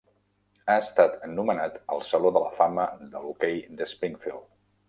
Ha estat nomenat al saló de la fama del hoquei d'Springfield.